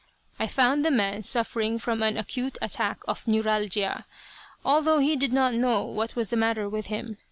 I found the man suffering from an acute attack of neuralgia, although he did not know what was the matter with him.